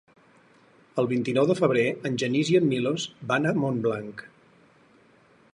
El vint-i-nou de febrer en Genís i en Milos van a Montblanc.